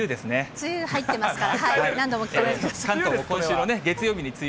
梅雨入ってますから。